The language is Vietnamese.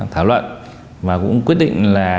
thảo luận và cũng quyết định là